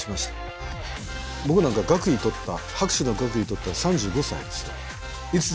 僕なんか学位取った博士の学位取ったの３５歳ですよ。